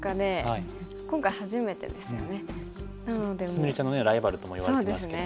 菫ちゃんのライバルとも言われてますけどね。